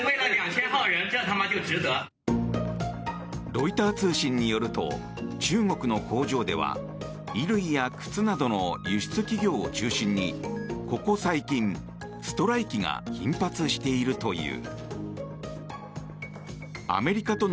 ロイター通信によると中国の工場では衣類や靴などの輸出企業を中心にここ最近ストライキが頻発しているという。